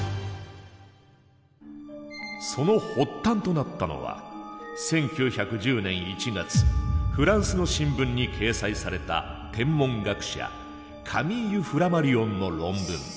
その発端となったのは１９１０年１月フランスの新聞に掲載された天文学者カミーユ・フラマリオンの論文。